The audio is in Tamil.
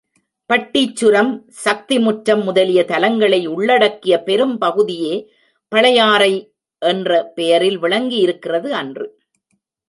பட்டீச்சுரம், சக்திமுற்றம் முதலிய தலங்களை உள்ளடக்கிய பெரும் பகுதியே பழையாறை என்ற பெயரில் விளங்கியிருக்கிறது அன்று.